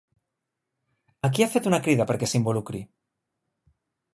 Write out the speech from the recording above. A qui ha fet una crida perquè s'involucri?